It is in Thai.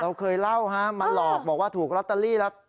เคยเล่าฮะมาหลอกบอกว่าถูกลอตเตอรี่แล้ว